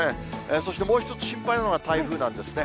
そしてもう一つ心配なのが台風なんですね。